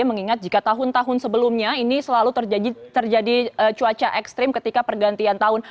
mengingat jika tahun tahun sebelumnya ini selalu terjadi cuaca ekstrim ketika pergantian tahun